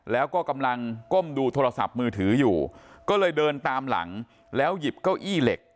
แล้วก็กำลังก้มดูโทรศัพท์มือถืออยู่ก็เลยเดินตามหลังแล้วหยิบเก้าอี้เหล็ก